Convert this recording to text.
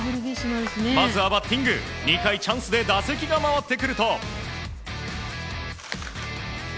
まずはバッティング、２回チャンスで打席が回ってくると。